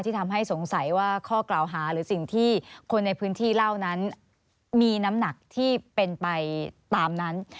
ทำให้สงสัยว่าข้อกล่าวหาหรือสิ่งที่คนในพื้นที่เล่านั้นมีน้ำหนักที่เป็นไปตามนั้น